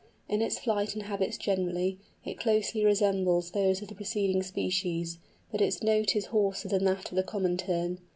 In its flight and habits generally, it very closely resembles those of the preceding species; but its note is hoarser than that of the Common Tern.